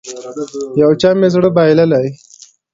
يو چا مې زړه بايللی.